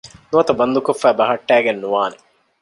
ނުވަތަ ބަންދުކޮށްފައި ބަހައްޓައިގެން ނުވާނެ